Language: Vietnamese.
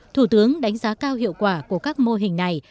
thủ tướng đánh giá cao hiệu quả của các mô hình này